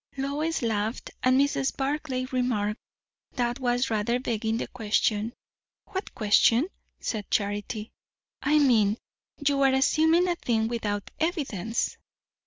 Lois laughed, and Mrs. Barclay remarked, that was rather begging the question. "What question?" said Charity. "I mean, you are assuming a thing without evidence."